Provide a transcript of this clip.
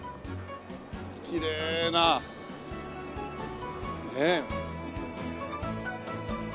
きれいなねえ。